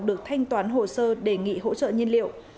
được thanh toán hồ sơ đề nghị hỗ trợ nhiên liệu